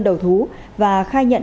đầu thú và khai nhận